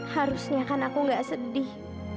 harusnya kan aku gak sedih